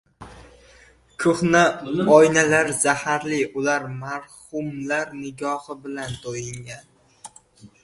Ko‘hna oynalar zaharli — ular marhumlar nigohi bilan to‘yingan.